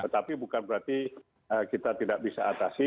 tapi bukan berarti kita tidak bisa atasi